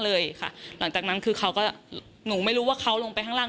เราบอกว่าให้ลงไปข้างล่าง